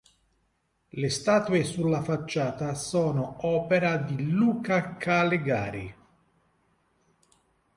Le statue sulla facciata sono opera di Luca Calegari.